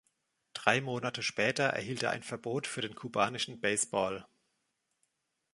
Drei Monate später erhielt er ein Verbot für den kubanischen Baseball.